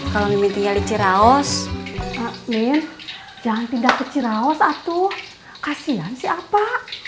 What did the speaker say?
kalau mimpinya liciraos min jangan pindah ke ciraos atuh kasihan siapa